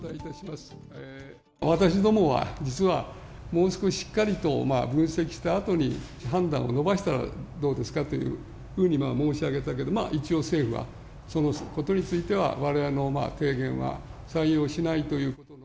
私どもは、実はもう少ししっかりと分析したあとに判断を延ばしたらどうですかというふうに申し上げたけど、一応政府は、そのことについては、われわれの提言は採用しないと。